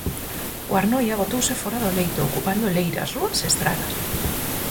O Arnoia botouse fóra do leito, ocupando leiras, rúas e estradas.